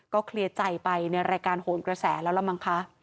เคลียร์ใจไปในรายการโหนกระแสแล้วละมั้งคะ